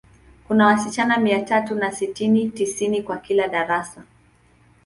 Kuna wasichana mia tatu na sitini, tisini kwa kila darasa.